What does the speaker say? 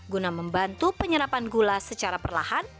guna membantu penyerapan gula secara perlahan